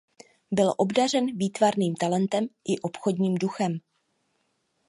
Byl obdařen výtvarným talentem i obchodním duchem.